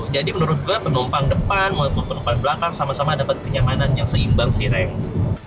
jadi menurut gue penumpang depan maupun penumpang belakang sama sama dapat kenyamanan yang seimbang sih reng